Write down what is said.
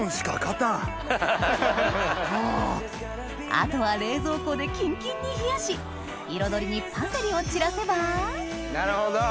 あとは冷蔵庫でキンキンに冷やし彩りにパセリを散らせばなるほど！